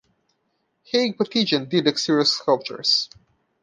Haig Patigian did the exterior sculptures.